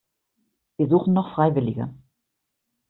Wir suchen noch Freiwillige.